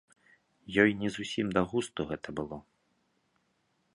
Ёй не зусім да густу гэта было.